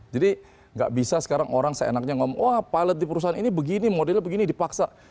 jadi gak bisa sekarang orang seenaknya ngomong wah pilot di perusahaan ini begini modelnya begini dipaksa